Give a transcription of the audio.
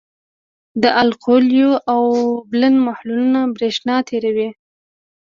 د القلیو اوبلن محلولونه برېښنا تیروي.